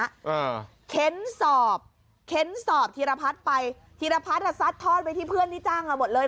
เออเค้นสอบเค้นสอบธีรพัสไปธีรพัสก็ซัดทอดไปที่เพื่อนที่จ้างกันหมดเลย